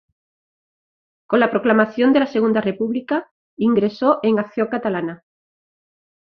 Con la proclamación de la Segunda República ingresó en Acción Catalana.